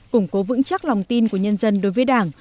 củng cố vững chắc lòng tin của nhân dân đối với đảng